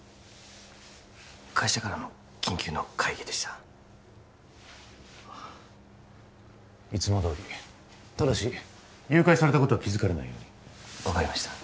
会社からの緊急の会議でしたいつもどおりただし誘拐されたことは気づかれないように分かりました